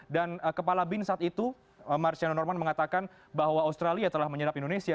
dan kepala bin saat itu marciano norman mengatakan bahwa australia telah menyadap indonesia